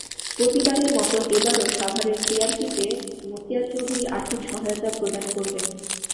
প্রতিবারের মতো এবারও সাভারের সিআরপিতে মতিয়া চৌধুরী আর্থিক সহায়তা প্রদান করবেন।